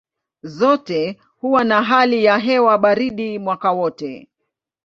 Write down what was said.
Zote huwa na hali ya hewa baridi mwaka wote.